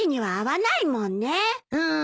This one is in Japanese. うん。